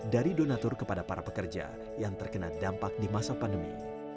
dari donatur kepada para pekerja yang terkena dampak di masa pandemi